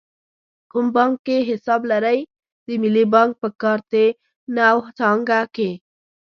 کوم بانک کې حساب لرئ؟ د ملی بانک په کارته نو څانګه کښی